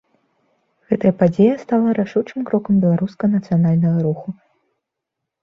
Гэтая падзея стала рашучым крокам беларускага нацыянальнага руху.